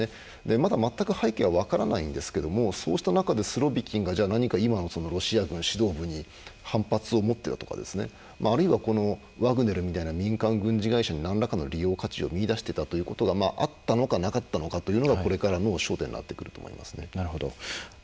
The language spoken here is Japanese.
まだ全く背景は分からないんですけどもそうした中でスロビキンが何かロシア軍指導部に反発を持っているとかあるいは、ワグネルみたいな民間軍事会社に何らかの利用価値を見出していたということがあったのかなかったのかはこれからの焦点になってくると思います。